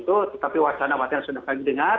tetapi wacana wacana sudah kami dengar